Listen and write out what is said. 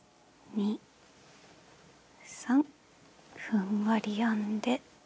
２３ふんわり編んで。